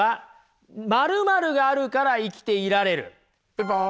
ピンポン。